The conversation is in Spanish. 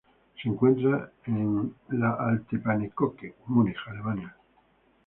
Se encuentra en la Alte Pinakothek, Múnich, Alemania.